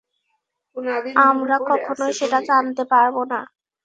আমরা কখনোই সেটা জানতে পারব না।